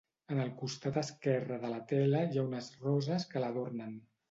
En el costat esquerre de la tela, hi ha unes roses que l'adornen.